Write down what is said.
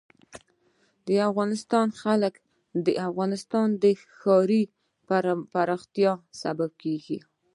د افغانستان جلکو د افغانستان د ښاري پراختیا سبب کېږي.